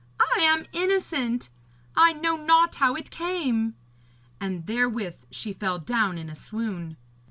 'I am innocent! I know not how it came!' And therewith she fell down in a swoon.